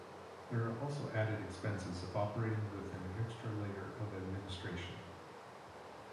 There are also added expenses of operating with an extra layer of administration.